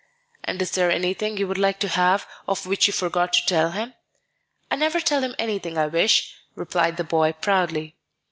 "And is there anything you would like to have of which you forgot to tell him?" "I never tell him anything I wish," replied the boy, proudly.